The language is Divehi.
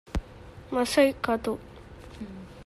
މަސައްކަތު